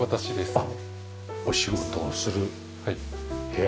あっお仕事をする部屋だ。